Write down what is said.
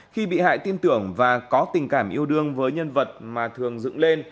khi bị hại tin tưởng và có tình cảm yêu đương với nhân vật mà thường dựng lên